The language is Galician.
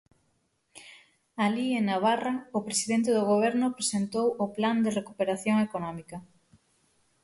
Alí, en Navarra, o presidente do Goberno presentou o plan de recuperación económica.